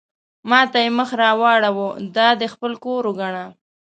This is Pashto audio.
ما ته یې مخ را واړاوه: دا دې خپل کور وګڼه.